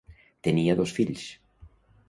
Tenia dos fills: